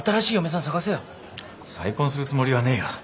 再婚するつもりはねえよ。